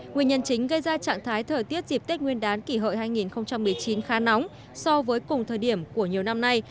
nguyên nhân chính gây ra trạng thái thời tiết dịp tết nguyên đán kỷ hợi hai nghìn một mươi chín khá nóng so với cùng thời điểm của nhiều năm nay